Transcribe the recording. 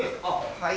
はい。